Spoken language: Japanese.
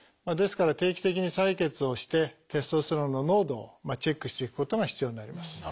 ですから定期的に採血をしてテストステロンの濃度をチェックしていくことが必要になります。